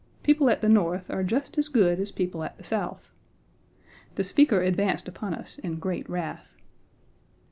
People at the North are just as good as people at the South." The speaker advanced upon us in great wrath.